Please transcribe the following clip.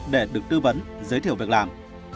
để được tư vấn giới thiệu việc làm